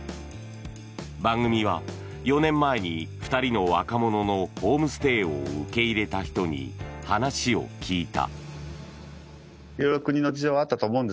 番組は４年前に２人の若者のホームステイを受け入れた人に話を聞いた。